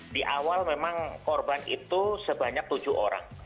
di awal memang korban itu sebanyak tujuh orang